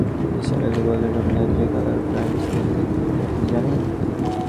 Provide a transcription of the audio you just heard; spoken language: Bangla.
নিসার আলি বললেন, রবীন্দ্রনাথ যে কালার-ব্লাইন্ড ছিলেন তা কি আপনি জানেন?